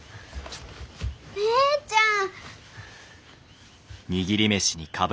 姉ちゃん！